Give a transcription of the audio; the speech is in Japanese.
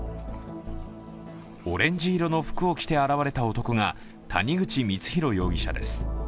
オレンジ色の服を着て現れた男が谷口光弘容疑者です。